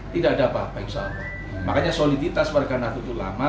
tidak ada apa apa makanya soliditas warga nato ulama